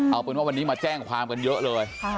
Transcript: เอาเป็นว่าวันนี้มาแจ้งความกันเยอะเลย